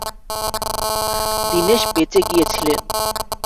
দীনেশ বেঁচে গিয়ে ছিলেন।